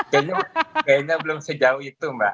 kayaknya belum sejauh itu mbak